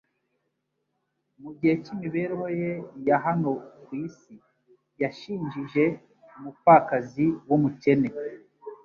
Mu gihe cy'imibereho ye ya hano ku isi yashinjije umupfakazi w'umukene